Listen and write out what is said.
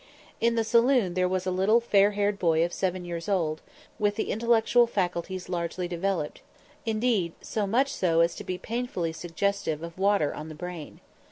In the saloon there was a little fair haired boy of seven years old, with the intellectual faculties largely developed indeed, so much so as to be painfully suggestive of water on the brain.